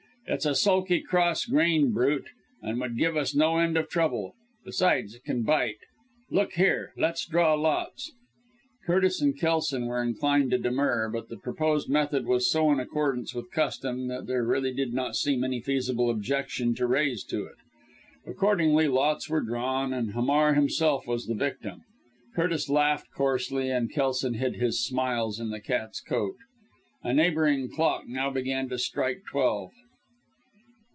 "It's a sulky, cross grained brute, and would give us no end of trouble. Besides it can bite. Look here, let's draw lots!" Curtis and Kelson were inclined to demur; but the proposed method was so in accordance with custom that there really did not seem any feasible objection to raise to it. Accordingly lots were drawn and Hamar himself was the victim. Curtis laughed coarsely, and Kelson hid his smiles in the cat's coat. A neighbouring clock now began to strike twelve.